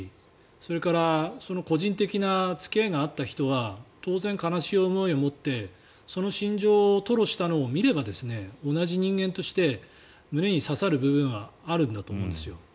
それから個人的な付き合いがあった人は当然、悲しい思いを持ってその心情を吐露したのを見れば同じ人間として胸に刺さる部分はあるんだと思うんですよ。